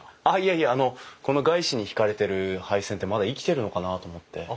あっいやいやあのこの碍子に引かれてる配線ってまだ生きているのかなと思って。